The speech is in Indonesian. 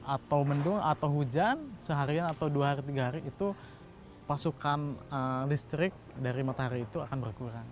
atau mendung atau hujan seharian atau dua hari tiga hari itu pasokan listrik dari matahari itu akan berkurang